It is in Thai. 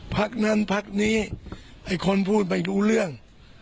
ภาคนั้นพรรคนี้ให้คนพูดไปดูเรื่อง